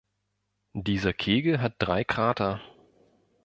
Dieser Kegel hat drei Krater.